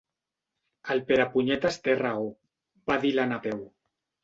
El Perepunyetes té raó —va dir la Napeu—.